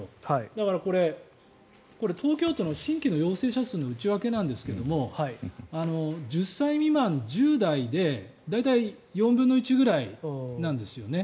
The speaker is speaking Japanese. だからこれ東京都の新規の陽性者数の内訳なんですが１０歳未満、１０代で大体４分の１ぐらいなんですよね。